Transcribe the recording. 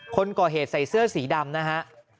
คนก่อเหตุใส่เสื้อสีดำนะฮะ